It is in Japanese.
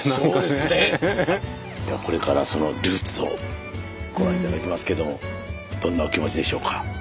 ではこれからそのルーツをご覧頂きますけどもどんなお気持ちでしょうか？